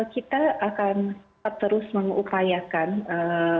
kita akan terus mengupayakan ee